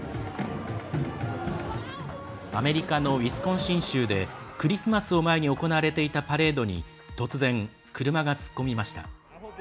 アメリカのウィスコンシン州でクリスマスを前に行われていたパレードに突然、車が突っ込みました。